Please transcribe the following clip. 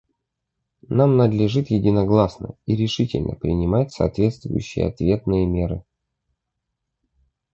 Нам надлежит единогласно и решительно принимать соответствующие ответные меры.